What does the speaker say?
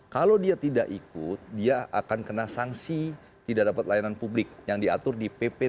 kalau dia tidak ikut dia akan kena sanksi tidak dapat layanan publik yang diatur di pp delapan puluh enam tahun dua ribu tiga belas